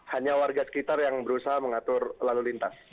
hanya warga sekitar yang berusaha mengatur lalu lintas